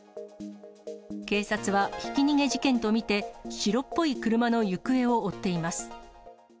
警察はひき逃げ事件と見て、白っぽい車の行方を追っています。